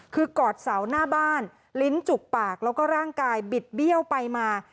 คือกอดเสาหน้าบ้านลิ้นจุกปากแล้วก็ร่างกายบิดเบี้ยวไปมา